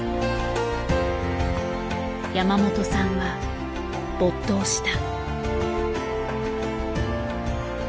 山本さんは没頭した。